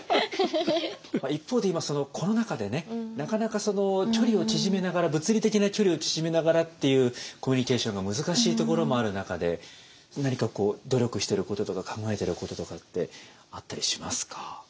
一方で今コロナ禍でなかなか距離を縮めながら物理的な距離を縮めながらっていうコミュニケーションが難しいところもある中で何か努力してることとか考えてることとかってあったりしますか？